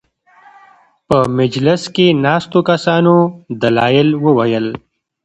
په مجلس کې ناستو کسانو دلایل وویل.